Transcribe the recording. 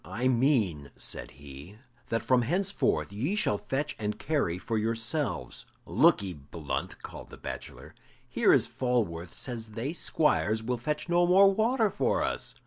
"I mean," said he, "that from henceforth ye shall fetch and carry for yourselves." "Look'ee, Blunt," called the bachelor; "here is Falworth says they squires will fetch no more water for us."